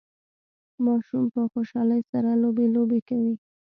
ماشوم په خوشحالۍ سره لوبي لوبې کوي